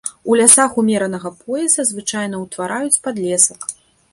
У лясах умеранага пояса звычайна ўтвараюць падлесак.